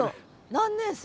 何年生？